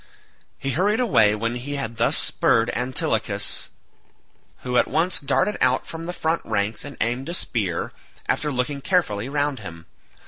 He hurried away when he had thus spurred Antilochus, who at once darted out from the front ranks and aimed a spear, after looking carefully round him.